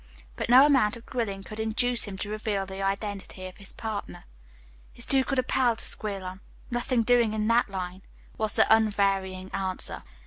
But no amount of grilling could induce him to reveal the identity of his partner. "He's too good a pal to squeal on. Nothing doing in that line," was the unvarying answer.